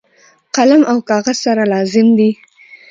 قلم او کاغذ سره لازم دي.